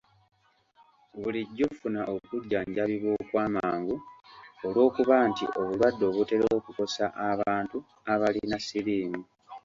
Bulijjo funa okujjanjabibwa okw’amangu olw’okuba nti obulwadde obutera okukosa abantu abalina siriimu .